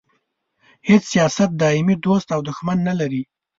هیڅ سیاست دایمي دوست او دوښمن نه لري.